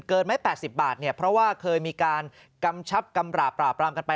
เกินไหม๘๐บาทเพราะว่าเคยมีการกำชับกำหลาปราบลำกันไป